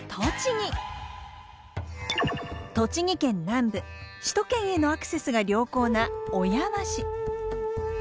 栃木県南部首都圏へのアクセスが良好な小山市。